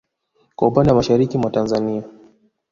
Kwa upande wa mashariki mwa Tanzania